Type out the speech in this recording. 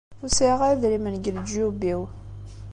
Ur sɛiɣ ara idrimen deg leǧyub-iw.